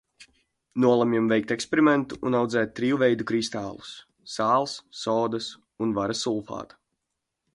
Nolemjam veikt eksperimentu un audzēt triju veidu kristālus - sāls, sodas un vara sulfāta.